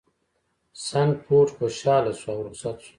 سنډفورډ خوشحاله شو او رخصت شو.